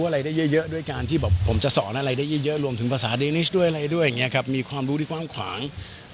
รู้อะไรได้เยอะด้วยการที่บอกผมจะสอนอะไรได้เยอะรวมถึงภาษาเดนิสด้วยอะไรด้วยมีความรู้ที่ความขวาง